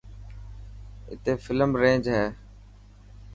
اتي فل رينج هي.